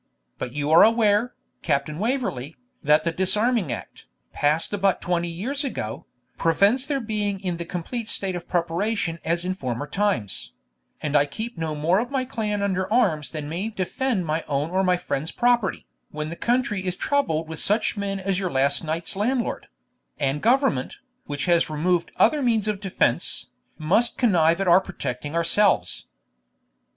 But you are aware, Captain Waverley, that the disarming act, passed about twenty years ago, prevents their being in the complete state of preparation as in former times; and I keep no more of my clan under arms than may defend my own or my friends' property, when the country is troubled with such men as your last night's landlord; and government, which has removed other means of defence, must connive at our protecting ourselves.'